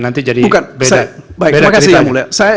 nanti jadi beda ceritanya